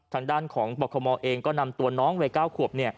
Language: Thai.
ทางด้านของปคมเองก็นำตัวน้องวัย๙ขวบ